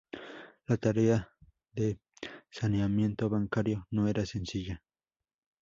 La tarea de saneamiento bancario no era sencilla.